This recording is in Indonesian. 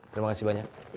terima kasih banyak